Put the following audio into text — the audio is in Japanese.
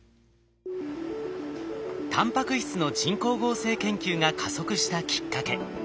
タンパク質の人工合成研究が加速したきっかけ。